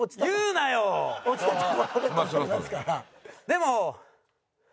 でも。